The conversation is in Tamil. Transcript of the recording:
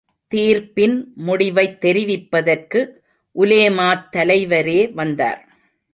தீர்ப்பின் முடிவைத் தெரிவிப்பதற்கு உலேமாத்தலைவரே வந்தார்.